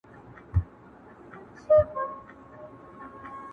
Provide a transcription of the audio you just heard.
زه تر هر چا درنیژدې یم ستا په ځان کي یم دننه؛